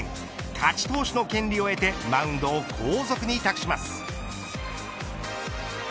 勝ち投手の権利を得てマウンドを後続に託します。